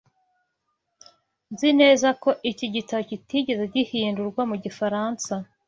Nzi neza ko iki gitabo kitigeze gihindurwa mu gifaransa.